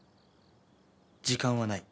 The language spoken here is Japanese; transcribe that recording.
時間はない。